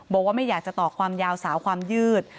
บอกว่าไม่อยากจะต่อความยาวสาวความยืด